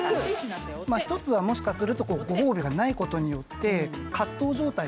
一つはもしかするとご褒美がないことによって何状態？